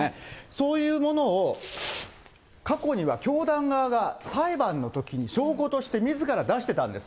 そういうものを、過去には教団側が裁判のときに証拠としてみずから出してたんです。